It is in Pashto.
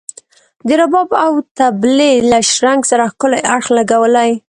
د رباب او طبلي له شرنګ سره ښکلی اړخ لګولی.